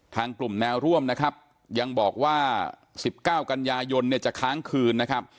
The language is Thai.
ทางกลุ่มแนวร่วมนะครับยังบอกว่า๑๙กันยายนเนี่ยจะค้างคืนนะครับ